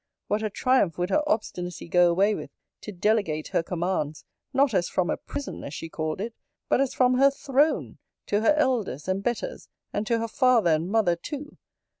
What a triumph would her obstinacy go away with, to delegate her commands, not as from a prison, as she called it, but as from her throne, to her elders and betters; and to her father and mother too!